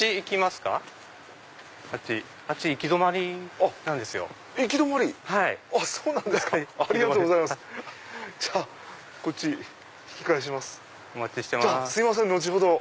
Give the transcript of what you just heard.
すいません後ほど。